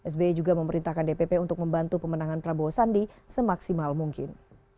sbi juga memerintahkan dpp untuk membantu pemenangan prabowo sandi semaksimal mungkin